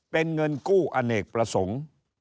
เป็นเงินกู้อเนกประสงค์